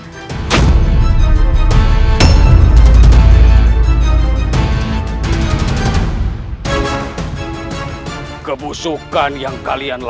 aku akan mencari bunda